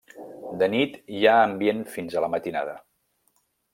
De nit hi ha ambient fins a la matinada.